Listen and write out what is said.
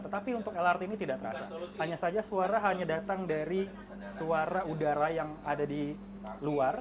tetapi untuk lrt ini tidak terasa hanya saja suara hanya datang dari suara udara yang ada di luar